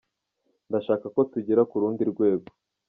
Ndashaka ko tugera ku rundi rwego.